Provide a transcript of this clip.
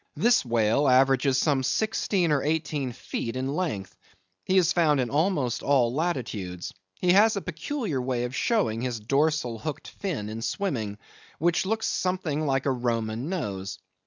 This whale averages some sixteen or eighteen feet in length. He is found in almost all latitudes. He has a peculiar way of showing his dorsal hooked fin in swimming, which looks something like a Roman nose.